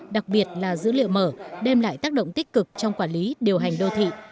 đặc biệt là dữ liệu mở đem lại tác động tích cực trong quản lý điều hành đô thị